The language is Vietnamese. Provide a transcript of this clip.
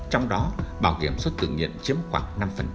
trong đó bảo hiểm xã hội tự nhiên chiếm khoảng năm